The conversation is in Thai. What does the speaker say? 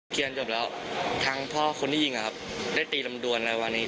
เรียนจบแล้วทางพ่อคนที่ยิงนะครับได้ตีลำดวนอะไรวันนี้